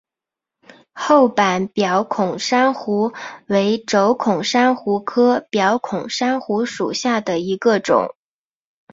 厚板表孔珊瑚为轴孔珊瑚科表孔珊瑚属下的一个种。